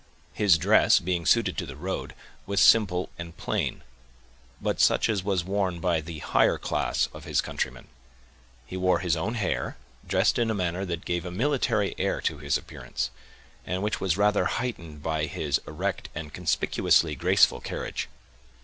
His dress, being suited to the road, was simple and plain, but such as was worn by the higher class of his countrymen; he wore his own hair, dressed in a manner that gave a military air to his appearance, and which was rather heightened by his erect and conspicuously graceful carriage.